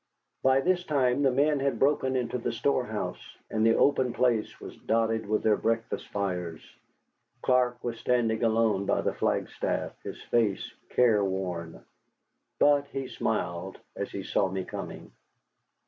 By this time the men had broken into the storehouse, and the open place was dotted with their breakfast fires. Clark was standing alone by the flagstaff, his face careworn. But he smiled as he saw me coming.